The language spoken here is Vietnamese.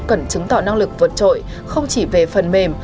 cần chứng tỏ năng lực vượt trội không chỉ về phần mềm